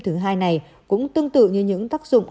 thứ hai này cũng tương tự như những tác dụng